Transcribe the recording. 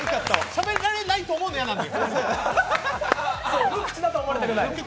しゃべられないと思われるのは嫌なんで。